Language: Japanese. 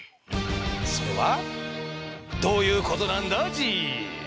それはどういうことなんだＧ？